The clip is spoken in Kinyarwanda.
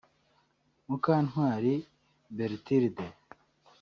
Mukantwari Berthilde